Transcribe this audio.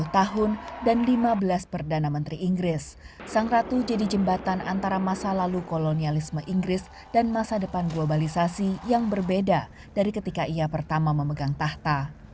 sepuluh tahun dan lima belas perdana menteri inggris sang ratu jadi jembatan antara masa lalu kolonialisme inggris dan masa depan globalisasi yang berbeda dari ketika ia pertama memegang tahta